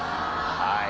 はい。